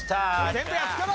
全部やっつけろ！